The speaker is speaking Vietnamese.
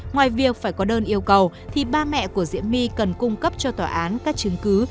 ngoài việc phải có đơn yêu cầu thì ba mẹ của diễm my cần cung cấp cho tòa án các chứng cứ